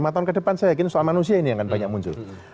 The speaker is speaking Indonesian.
lima tahun ke depan saya yakin soal manusia ini yang akan banyak muncul